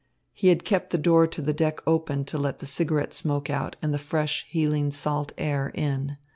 He had kept the door to the deck open to let the cigarette smoke out and the fresh, healing salt air in.